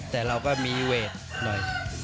แต่เราก็มีเวทหน่อย